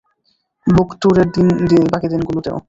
বুক ট্যুরের বাকি দিনগুলোতেও।